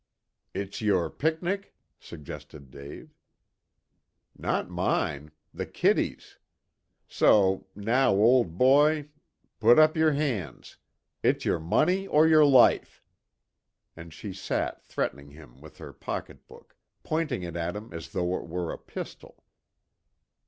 "It's your picnic?" suggested Dave. "Not mine. The kiddies'. So now, old boy, put up your hands! It's your money or your life." And she sat threatening him with her pocketbook, pointing it at him as though it were a pistol.